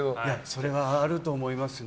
それはあると思いますね。